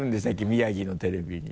宮城のテレビに。